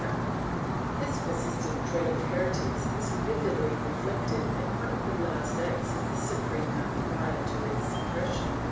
Ill] HERETIC TROOPS 475 This persistent dread of heretics is vividly reflected in one of the last acts of the Suprema prior to its suppression.